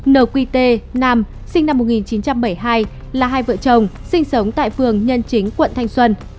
nqt nam sinh năm một nghìn chín trăm bảy mươi hai là hai vợ chồng sinh sống tại phường nhân chính quận thanh xuân